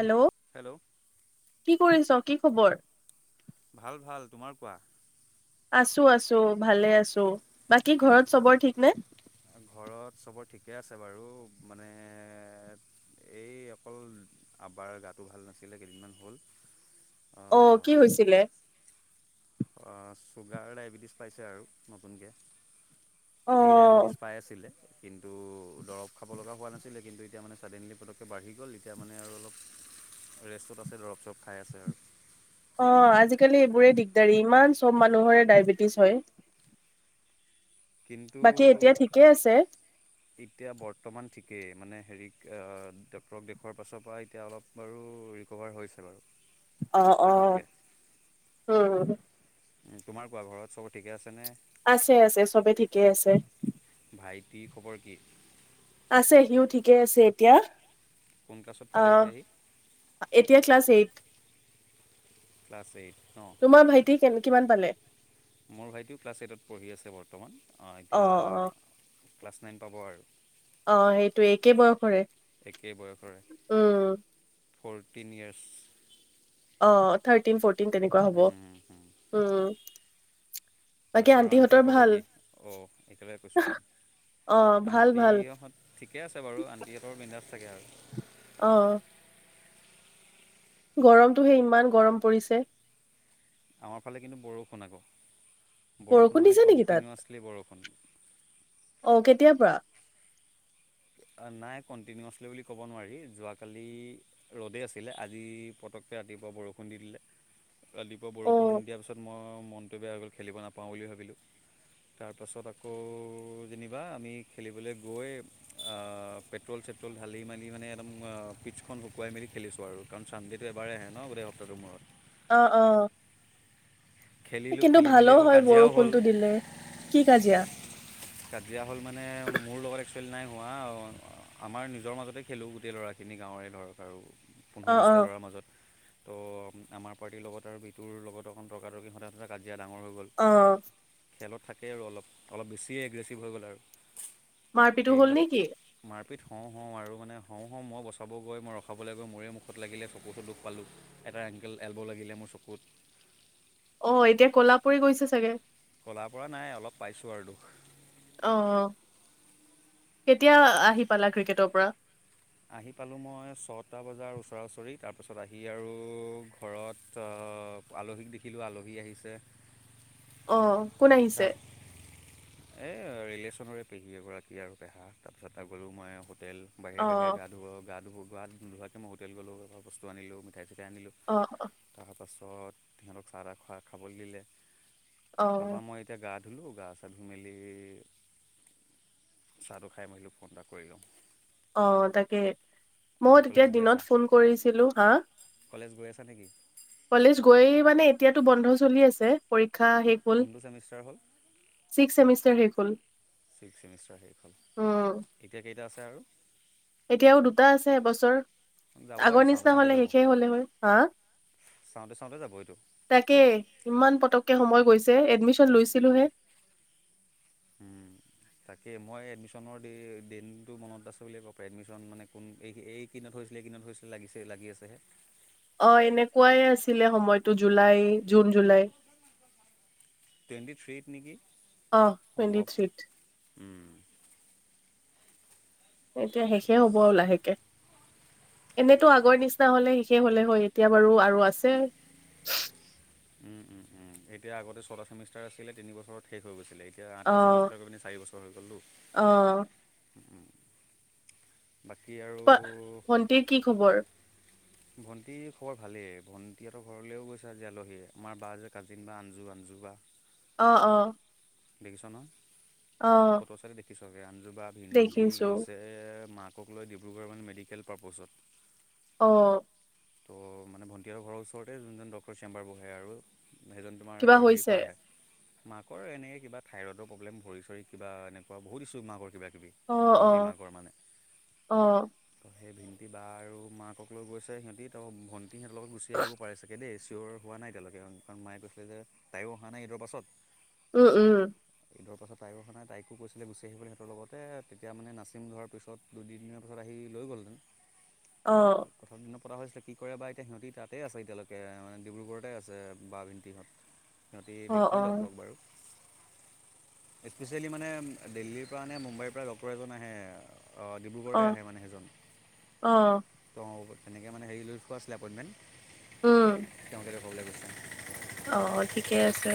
Hello hello কি কৰিছ কি খবৰ ভাল ভাল তোমাৰ কোৱা আছো আছো ভালে আছো বাকী ঘৰত চবৰ ঠিক নে ঘৰত চবৰ ঠিকে আছে বাৰু মানে এই অকল আপাৰ গাটো ভাল নাছিলে কেইদিনমান হ'ল অ কি হৈছিলে ছুগাৰ ডায়েবেটিছ পাইছে আৰু নতুনকৈ অ প্ৰি ডায়বেটিছ পাই আছিলে কিন্তু দৰৱ খাব লগা হোৱা নাছিলে কিন্তু এতিয়া মানে ছাডেনলি পটককৈ বাঢ়ি গ'ল এতিয়া মানে আৰু অলপ ৰেষ্টত আছে দৰৱ চৰব খাই আছে আৰু অ আজিকালি এইবোৰে দিগদাৰী ইমান চব মানুহৰে ডায়বেটিছ হয় কিন্তু বাকী এতিয়া ঠিকে আছে এতিয়া বৰ্তমান ঠিক কে মানে হেৰি ড্টৰক দেখুওৱাৰ পাছৰ পৰা এতিয়া অলপ বাৰু ৰিক'ভাৰ হৈছে বাৰু অ অ আগতকৈ উ উম তোমাৰ কোৱা ঘৰত চব ঠিকে আছে আছে আছে চবে ঠিকেই আছে কি খবৰ কি আছে সিও ঠিকে আছে এতিয়া কোন ক্লাছত অ পালে এতিয়া সি এতিয়া ক্লাছ এইট। Class eight. ন তোমাৰ ভাইটি কে কিমান পালে। মোৰ ভাইটিও ক্লাছ এইটত পঢ়ি আছে বৰ্তমান অ এতিয়া ক্লাছ নাইন পাব আৰু আহ সেইটো একে বয়সৰে। একেই বয়সৰে উম, ফৰটিন ইয়ৰছ। অহ। থিৰ্তিন ফৰ্তিন তেনেকুৱা হ'ব, উম। বাকী আৰু আণ্টিৰ আন্টিহঁতৰ খবৰ ভাল কি? অ', একেলগ কৈছোঁচোন অ ভাল ভাল আণ্টিহঁত ঠিকেই আছে বাৰু আণ্টিহঁতৰ মন্ধা থাকে আৰু অহ। গৰমটোহে ইমান গৰম পৰিছে। আমাৰ ফালে কিন্তু বৰষুণ আকৌ। বৰষুণ মানে দিছে নেকি তাত, কণ্টিনিউৱাছলি বৰষুণ অহ, কেতিয়াৰ পৰা? নাই কণ্টিনিউছলি বুলি ক'ব নোৱাৰি যোৱাকালি ৰ'দেই আছিলে আজি পতককৈ ৰাতিপুৱা বৰষুণ দি দিলে। ৰাতিপুৱা অ বৰষুণ দিয়াৰ পাছত মই মনটো বেয়া হৈ গ'ল খেলিব নাপাওঁ বুলি ভাবিলোঁ তাৰপাছত আকৌ যেনিবা আমি খেলিবলৈ গৈ পেট্ৰল চেট্ৰল ঢালি মেলি মানে একদম পিটখন শুকুৱাই মেলি খেলিছোঁ আৰু কাৰণ চানডেটো এবাৰেই আহে ন গোটেই সপ্তাহটোৰ মূৰত। অহ, অ'। খেলিলোঁ কিন্তু খেলি মেলি ভালো আকৌ হয় কাজিয়াও বৰষুণতটো হ'ল দিলে, কি কাজিয়া? কাজিয়া হ'ল মানে মোৰ লগত একচুৱেলি নাই হোৱা আমাৰ নিজৰ মাজতে খেলোঁ গোটেই ল'ৰাখিনি গাঁৱৰে ধৰক আৰু। অ পোন্ধৰ অ বিশছটা ল'ৰাৰ মাজত ত' আমাৰ পাৰ্টিৰ লগত আৰু বিটোৰ লগত অকণ তৰ্কাতৰ্কি সঠায় সতে কাজ এতিয়া ডাঙৰ হৈ গ'ল অ খেলত থাক সেই আৰু অলপ, অলপ বেছি য়ে, এগ্ৰেছিভ হৈ গ'ল আৰু মাৰপিটো হ'ল নেকি? পিট হ'ওঁ-হ'ওঁ, আৰু, মানে, হ'ওঁ-হ'ওঁ। মই বচাব গৈ, মই ৰখাবলৈ গৈ, মোৰেই মুখত লাগিলে। চকুটোও দুখ পালোঁ। এটা এংকেল, এলব' লাগিলে মোৰ চকুত অ', এতিয়া কলাপুৰি গৈছে চাগে। তাৰ পৰা নাই আৰু। অলপ পাইছোঁ আৰু দুখ অ', কেতিয়া আহি পালা ক্ৰিকেটৰ পৰা? আহি পালোঁ মই ছটা বজাৰ ওচৰা-ওচৰি। তাৰপাছত আহি আৰু ঘৰত, আ-আলহীক দেখিলোঁ। আলহী আহিছে। অ'। কোন আহিছে? তাৰ এই আ ৰিলেশ্যনৰে পেহী এগৰাকী আৰু পেহা তাৰপিছত তা গলো মই আকৌ তেল অ বাহিৰে বাহিৰে গা ধুও অ' গা ধুও [unintelligible] এ আনিলোঁ অ তাৰ পাছত ঘৰত সিহঁতক চাহ তাহ খোৱা খাবলৈ দিলে অ তাৰাপা মই এতিয়া গাত ধুলো গা ছা ধু মেলি চাহটো খাই মেলি ফোন এটা কৰি লওঁ অঁ তাকে মই বাকী তেতিয়া কলেজ গৈ দিনত আছা ফোন কৰিছিলো, হা কলেজ গৈ আছা নেকি কলেজ গৈ মানে এত এতিয়াতো বন্ধ চলি আছে। পৰীক্ষা শেষ হ'ল কোনটো চেমিষ্টাৰ হ'ল, ছিক্স চেমিষ্টাৰ শেষ হ'ল ছিক্স চেমিষ্টাৰ শেষ হ'ল, উম এতিয়া কেইটা আছে আৰু এতিয়াও দুটা আছে এবছৰ যাবই আগৰ চাওঁতে নিচিনা চাওঁতে হলে যাব শেষেই হলে হয়, হা, চাওঁতে চাওঁতে যাব এইটো তাকে ইমান পতককে সময় গৈছে এডমিশন লৈছিলোহে উম তাকেই মই এডমিশ্যনৰ দি দিনটো মনত আছে বুলিয়ে ক'ব পা, এডমিশ্যন মানে কোন এই এই কিদিনত হৈছিলে এই কিদিনত হৈছিলে লাগিছে লাগি আছেহে অঁ এনেকুৱাই আছিলে সময়টো জুলাই জুন জুলাই টুৱেণ্টি থ্ৰীত নেকি, অ টুৱেণ্টি সম্ভৱ থ্ৰীত উম এতিয়া শেষে য়েছ হব আৰু লাহেকে এনেতো আগৰ নিচিনা হলে শেষে হলে হয় এতিয়া বাৰু আৰু আছে উম উম উম এতিয়া আগতে ছটা চেমিষ্টাৰ আছিলে তিনি বছৰত শেষ হৈ গৈছিলে এয়া এতিয়া অ আঠটা চেমিষ্টাৰ গৈ পিনি চাৰি বছৰ হৈ গ'লতো অ বাকী আৰু ভণ্টিৰ কি খবৰ ভণ্টিৰ খবৰ ভালেই, ভণ্টিহঁতৰ ঘৰলৈও গৈছে আজি আলহী আমাৰ বা যে কাজিন বা আঞ্জো আঞ্জো বা অঁ অঁ বেগিচনা ফটো চালে দেখিবি [unintelligible] ভিন্দি দেখিছো গৈছেহে মাত [unintelligible] লৈ ডিব্ৰুগড় মানে মেডিকেল পাৰ্পছত অঁ ত' মানে ভণ্টিাহঁতৰ ঘৰৰ ওচৰতে যোনজন ডক্টৰৰ চেম্বাৰ বহে আৰু সেইজন তোমাৰ কিবা হেৰিৰ হৈছে পৰা আহে মাকৰ এনেকৈ কিবা থাইৰইডৰ প্ৰব্লেম ভৰি চৰি কিবা এনেুৱা বহুত ইছু মাকৰ কিবা কিবি অঁ ভিন্দি মাকৰ মানে অঁ কিবা আৰু মাকক লৈ গৈছে সিহঁতি ত', ভন সি সিহঁতৰ লগত গুচি আহিব পাৰে চাগে দেই। চিয়ৰ হোৱা নাই এতিয়ালৈকে। কাৰণ মায়ে কৈছিলে যে তাইয়ো অহা নাই ঈদৰ পাছত উম, উম। [unintelligible] তাইকো কৈছিলে গুচি আহিবলৈ সিহঁতৰ লগতে। তেতিয়া, মানে, নাচিম ঘৰৰ পিছত দুদিনৰ পিছত আহি লৈ গ'লহৈ অ'। [unintelligible] হৈছিলে কি কৰে বা এতিয়া? সিহঁতি তাতে আছে এতিয়ালৈকে। মানে, ডিব্ৰুগড়তেই আছে বা-ভণ্টিহঁত। সিহঁতি অ অ দেখুৱালে ডক্টৰক বাৰু। স্পেচিয়েলি মানে দিল্লীৰ পৰা নে মুম্বাইৰ পৰা ডক্তৰ এজন আহে। অহ, অ ডিব্ৰুগড়তে আহে মানে সেইজন অ ত' তেনেকে মানে হেৰি লৈ এনেকুৱা আছিলে এপইনমেন্ত তেওঁক অহ, ঠিকে আছে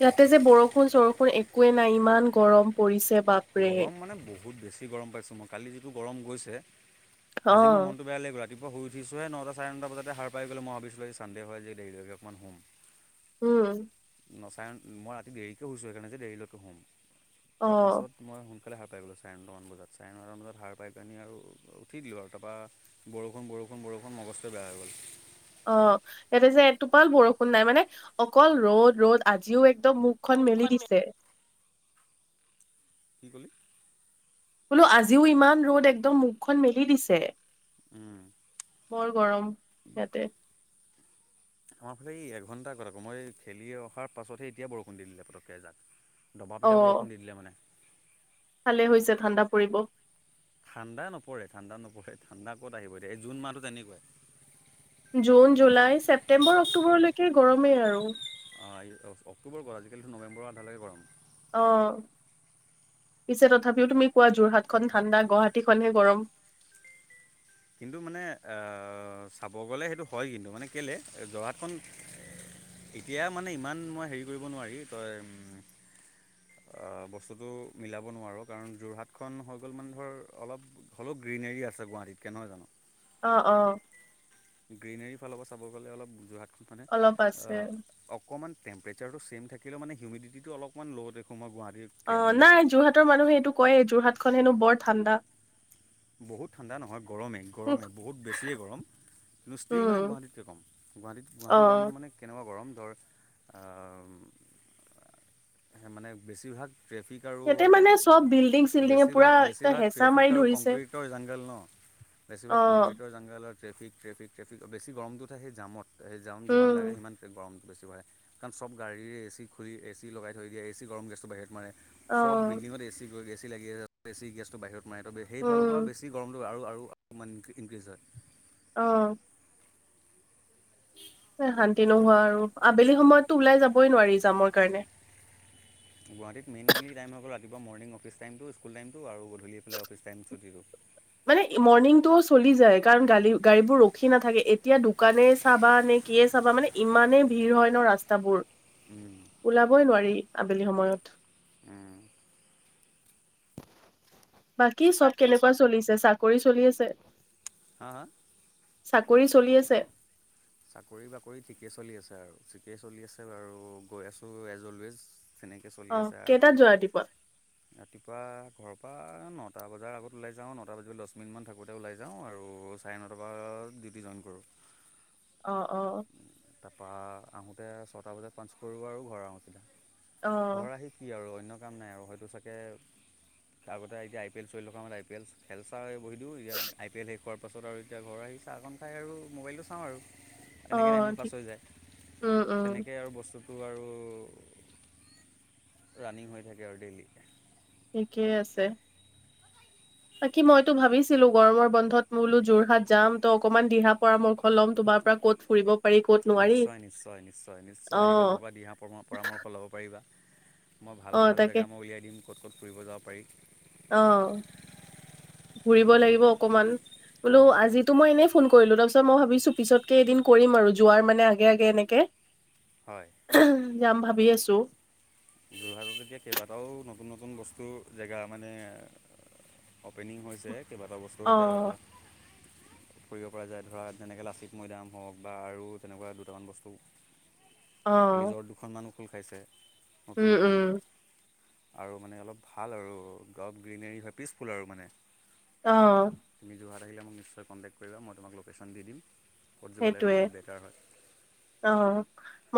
ইয়াতে যে বৰষুণ, চৰষুণ একোৱে নাই ইমান গৰম পৰিছে। বাপৰে। গৰম মানে বহ বহুত বেছি গৰম পাইছোঁ মই কালি যিটো গৰম গৈছে আজি মোৰ অ', মনটো বেয়া লাগিব ৰা ৰাতিপুৱা শুই উঠিছোহে নটা চাৰে নটা বজাতেই সাৰ পাই গ'লো, মই ভাবিচো এই চানডে হয় আজি যে দেৰিলৈকে অকণ, হম। উম। সঁচাই মই ৰাতি দেৰিকৈ শুইছো, সেইকাৰণে যে দেৰিলৈকো হম। অ', তাৰপাছত মই সোনকালে সাৰ পাই গ'লোঁ চাৰে নটা মান বজাত চাৰে নটা মান বজাত সাৰ পাই পিনি আৰু উঠি দিলোঁ আৰু তাৰপৰা বৰষুণ, বৰষুণ, বৰষুণ মগজটোৱে বেয়া হৈ গ'ল। অ', ইয়াতে যে এটোপাল বৰষুণ নাই মানে অকল ৰ'দ ৰ'দ আজিও এক মুখখন মেলি দিছে। [unintelligible] বোলো আজিও ইমান ৰ'দ একদম মুখখন মেলি দিছে। উম। মৰ গৰম ইয়াতে। আমাৰ ফালে এই এঘণ্টা [unintelligible] মই খেলি অহাৰ পাছতহে এতিয়া বৰষুণ দি দিলে পটককে এজাক। অ', দবাপিতা বৰষুণ দি দিলে মানে। ভালে হৈছে ঠাণ্ডা পৰিব। ঠাণ্ডা নপৰে, ঠাণ্ডা নপৰে, ঠাণ্ডা ক'ত আহিব এতিয়া এই জুন মাহটো তেনেকুৱাই। জুন, জুলাই, ছেপ্টেম্বৰ, অক্টোবৰলৈকে গৰমেই আৰু। হয়, অক্টোবৰ গৰম আজিকালিটো নৱেম্বৰ আধালৈকে গৰম। অ', পিছে তথাপিও তুমি কোৱা যোৰহাটখন ঠাণ্ডা গুৱাহাটীখনহে গৰম। কিন্তু মানে অ', চাব গ'লে সেইটো হয় কিন্তু মানে কেলে যোৰহাটখন এতিয়া মানে ইমান মই হেৰি কৰিব নোৱাৰি তই বস্তুটো মিলাব নোৱাৰ কাৰণ যোৰহাটখন হৈ গ'ল মানে ধৰ অলপ হ'লেও গ্ৰীনেৰি আছে গুৱাহাটীত। কেনয় জানো। অহ, অহ। গ্ৰীনেৰি ফালৰ পৰা চাব গ'লে অলপ যোৰহাট মানে অলপ আছে অকণমান টেম্পেচাটো ছেম থাকিলেও ইউমিনেটিটো অলপমান ল' দেখো মই গুৱাহাটীত অ নাই যোৰহাটৰ মানুহে সেইটো কয়েই যোৰহাটখনন হেনো বৰ ঠান্ডা বহুত ঠাণ্ডা নহয় গৰমেই গৰমে বহুত বেছিয়ে গৰম কিন্তু ষ্টীল মানে উম গুৱাহাটীতকৈ ক'ম গুৱাহাটীত অ গুৱাহাটী গৰমটো মানে কেনেকুৱা গৰম মানে বেছিভাগ ট্ৰেফিক আৰু সিহতে মানে চব বিল্ডিং চিল্ডিঙে পুৰা বেছিভাগ একম বেছিভাগ হেঁচা ট্ৰেফিক মাৰি আৰু ধৰি কংক্ৰিটৰ জাংগল ন অ বেছিভাগ কংক্ৰিটৰ জাংগালত ট্ৰেফিক ট্ৰফিক ট্ৰেফিক বেছি গৰমটো থাকেই জামত সেই জাউন যিমান লাগে উম সিমান গৰম বেছি ভ়ে কাৰণ চব গাড়ীীয়ে এ চি খুলি এ চি লগাই থৈ দিয়ে এ চি গৰম গেছটো বাহিৰত মাৰে অ চব বিল্ডিঙৰ এ চি এ ছি লাগি আছে এ ছি গেছটো বাহিৰত মাৰে ন সেইফালৰ উম পৰা বেছি গৰমটো আৰু অপমান ইনক্ৰ্ৰীজ হয় আহ শান্তি নোহোৱা আৰু আবেলি সময়ততো ওলাই যাবই নোৱাৰি যামৰ কাৰণে গুৱাহাটত মেইনি টাইম হ' ৰাপুৱা মৰনিং অফিচ টইমটো আৰু গধূলি অফিচ টাইম ছুটিটো মানে মৰ্ণিংতটো চলি যায় কাৰণ গাডী গাড়ীবোৰ ৰখি নাথাকে এতিয়া দোকানে চাবা নে কিয়ে চাবা মানে ইমানে ভিৰ হয় ন ৰাস্তাবোৰ ওলাবই নোৱাৰি আ সময়ত উম বাকী চব কেনেকুৱা চলিছে চাকৰি চলি আছে হা হা চাকৰি চলি আছে চাকৰি বাকৰি ঠিকে চলি আছে আৰু ঠিকেই চলি আছে বাৰু গৈ আছোঁ এজ অলৱেজ তেনেকৈ অ চলি আছে আৰু কেইটাত যোৱা ৰাতিপুৱা ৰাতিপুৱা ঘৰ ৰাতিপুৱা নটা বজাৰ আগত ওলাই যাওঁ নটা বাজিব দহ মিনিটমান থাকোঁতে ওলাই যাওঁ আৰু চাৰে নটা ব ডিউটি জইন কৰোঁ অ অ তাৰপৰা আহোঁতে ছটা বজাত পাচ কৰিব আৰু ঘৰ আহোঁ সধা অ ঘৰ আহি কি আৰু অন্য কাম নাই আৰু হয়তো চাগে আগতে এতিয়া আই পি এল চলি থকা মতে আই পি এল খেল চা বহিয়ে আই পি এল শেষ হোৱাৰ তাৰপাছত আৰু এতিয়া ঘৰ আহি চাহকণ খাই আৰু মোবাইলটো চাওঁ আৰু অ তেনেকে টাইমটো পাছ ঠিক হৈ যায় উম উম তেনেকেই আৰু বস্তু ত আৰু ৰানিং হৈ থাকে আৰু ডেইলি ঠিকেই আছে। বাকি মইটো ভাবিছিলো গৰমৰ বন্ধত মোলো যোৰহাট যাম ত অকনমান দিহা পৰামৰ্শ ল'ম তোমাৰ পৰা ক'ত ফুৰিব পাৰি ক'ত নোৱাৰি নিশ্চয়, নিশ্চয়, নিশ্চয়, অ নিশ্চয় আহিবা মোৰ পৰা দিহা পৰামৰ্শ ল'ব পাৰিবা। মই ভাল, অ ভাল তাকে জেগা মই উলিয়াই দিম। ক'ত ক'ত ফুৰিব যাব পাৰি। অ', ঘূৰিব লাগিব অকমান বোলো অঁ আজিতো মই এনেই ফোন কৰিলো তাৰপিছত মই ভাবিছো পিছতকে এদিন কৰিম আৰু যোৱাৰ মানে আগে আগে এনেকে। হয় উম। যাম ভাবি আছো। যোৰহাটত এতিয়া কেইবাটাও নতুন, নতুন বস্তুৰ জেগা মানে অ'পেনিং হৈছে। কেইবাটাও বস্তু অ এতিয়া কৰিব পৰা যায়। ধৰা যেনেকৈ লাচিত মৈদাম হওঁক বা আৰু তেনেকুৱা দুটামান বস্তু অ ৰিজৰ্ট দুখন মানো। খোল খাইছে। নতুন উম নতুন। উম আৰু মানে অলপ ভাল আৰু গ গ্ৰীনেৰী পিচফুল আৰু মানে অ', তুমি যোৰহাট আহিলে মোক নিশ্চয় কণ্টেক্ট কৰিব মই তোমাক লোকেশ্যন দিম। ক'ত গ'লে সেইটোৱে বেছি বেটাৰ হয় অ',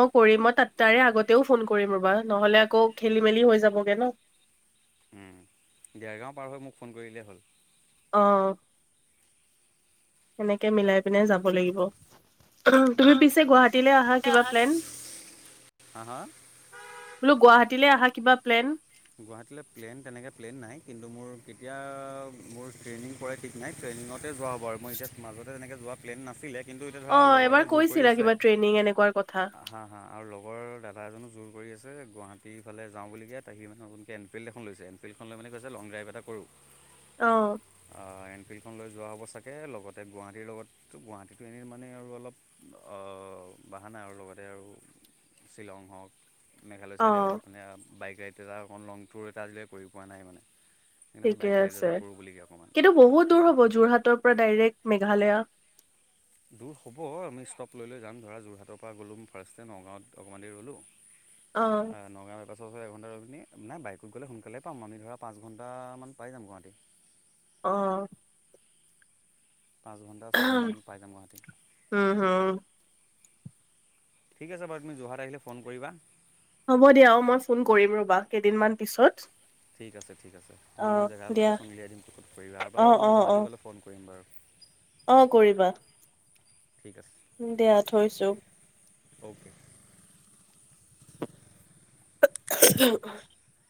মোক কৰিম মই তাত টাৰে আগতেওঁ ফোন কৰিম ৰবা। নহ'লে আকৌ খেলি মেলি হৈ যাবগে ন'। দেৰগাঁও পাৰ হৈ মোক ফোন কৰিলেই হ'ল। অ', সেনেকে মিলাই পিনে যাম ব লাগিব। তুমি পিছে গুৱাহাটীলে অহা কিবা প্লেন? হা হা বোলোঁ গুৱাহাটীলে কিবা প্লেন গুৱাহাটীল প্লেন তেনেকে প্লেন নাই। কিন্তু মোৰ কেতিয়া মোৰ ট্ৰেইনিং পৰে ঠিক নাই। ট্ৰেইনিংত তে যোৱা হ'ব আৰু মই এতিয়া মাজতে তেনেকে যোৱা প্লেন নাছিলে। কিন্তু এতিয়া ধৰা অ লগৰ এবাৰ এটাই জোৰ কৰি কৈছিলা আছে, কিবা ট্ৰেইনিং এনেকুৱাৰ কথা হা, হা, আৰু লগৰ দাদা এজনো জোৰ কৰি আছে গুৱাহাটী ফালে যাওঁ বুলি ইয়াত সি মনে নতুনকৈ এনফিল্ড এখন লৈছে, এনফিল্ডখন লৈ মানে কৈ লং ড্ৰাইভ এটা কৰোঁ। অহ। অহ এনফিল্ডখন লৈ যোৱা হ'ব চাগে লগতে গুৱাহাটীৰ লগত গুৱাহাটীতটো এনেই মানে আৰু অলপ অহ, বাহানা আৰু লগতে আৰু শ্বিলং হওক মেঘালয় অ চাইডে অলপ মানে বাইক [unintelligible] অকণ লং টুৰ এটা আজিলৈ কৰি পোৱা নাই মানে। সেইকাৰণে ঠিকে বাইক ৰাইড আছে এটা কৰোঁ বুলিকে অকণমান কিন্তু বহুত দূৰ হ'ব যোৰহাটৰ পৰা ডাইৰেক্ট। মেঘালয়া। দূৰ হ'ব। আমি ষ্টপ লৈ লৈ যাম, ধৰা যোৰহাটৰ পৰা গ'লোঁ ফাৰ্ষ্টে নগাঁৱত অকমান দেৰি ৰ'লোঁ অ অহ নগাঁও [unintelligible] [unintelligible] এঘণ্টা ৰৈ পিনি, নাই বাইকত গ'লে সোনকালে পাম আমি ধৰা পাঁচ ঘণ্টামান পাই যাম গুৱাহাটী। অহ। পাঁচ ঘণ্টা, ছঘণ্টামান পাই যাম গুৱাহাটী। উম হম ঠিক আছে বাৰু তুমি যোৰহাট আহিলে ফোন কৰিবা। হ'ব দিয়া, অ, মই ফোন কৰিম ৰবা কেইদিনমান পিছত। ঠিক আছে। ঠিক আছে, অ তোমাক মই জেগা অলপ দিয়া কিছুমান উলিয়াই দিম [unintelligible] আৰু অ বাৰু অ মই অ গুৱাহাটী গ'লে ফোন কৰিম বাৰু। অ', কৰিবা ঠিক আছে দিয়া থৈছো। অ'কে। [inaudible]